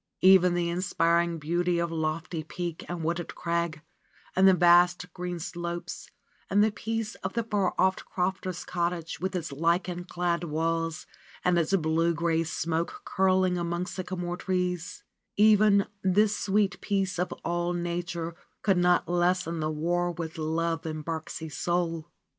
Even the inspiring beauty of lofty peak and wooded crag, and the vast green slopes, and the peace of the far off crofter's cottage with its lichen clad walls and its blue gray smoke curling among sycamore trees, even this sweet peace of all nature could not lessen the war with love in Birksie's soul.